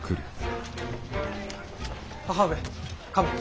母上亀。